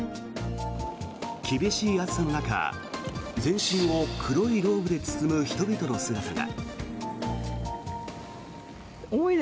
厳しい暑さの中全身を黒いローブで包む人々の姿が。